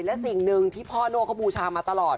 และสิ่งหนึ่งที่พ่อโน่เขาบูชามาตลอด